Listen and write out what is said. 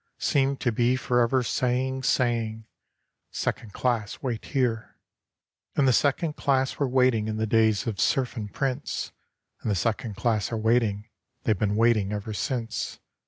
Seem to be for ever saying, saying 'Second class wait here.' And the second class were waiting in the days of serf and prince, And the second class are waiting they've been waiting ever since.